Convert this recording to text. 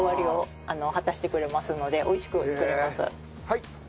はい！